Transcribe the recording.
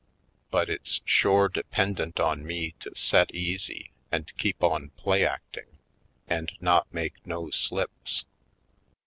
But it's shore dependent on me to set easy and keep on play acting and not make no slips.